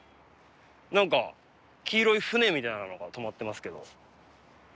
何か黄色い船みたいなのが止まってますけど。